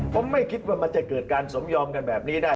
ผมไม่คิดว่ามันจะเกิดการสมยอมกันแบบนี้ได้